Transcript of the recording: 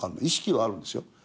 意識はあるんですよ。